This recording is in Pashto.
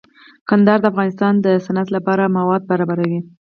کندهار د افغانستان د صنعت لپاره مواد برابروي.